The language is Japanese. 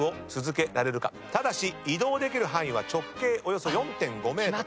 ただし移動できる範囲は直径およそ４．５ｍ。